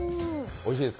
おいしいです。